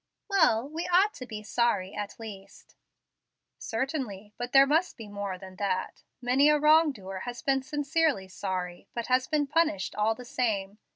"Well, we ought to be sorry, at least." "Certainly, but there must be more than that. Many a wrong doer has been sincerely sorry, but has been punished all the same.